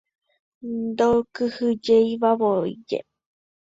Ndokyhyjeivavoíje.